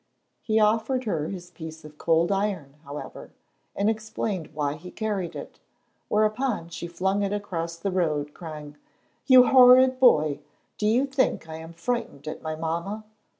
He offered her his piece of cold iron, however, and explained why he carried it, whereupon she flung it across the road, crying, "You horrid boy, do you think I am frightened at my mamma!"